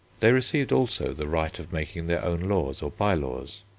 They received also the right of making their own local laws or bye laws.